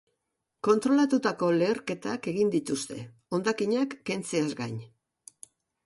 Kontrolatutako leherketak egin dituzte, hondakinak kentzeaz gain.